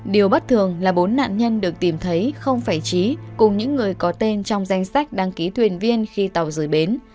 điều bất thường là bốn nạn nhân được tìm thấy không phải trí cùng những người có tên trong danh sách đăng ký thuyền viên khi tàu rời bến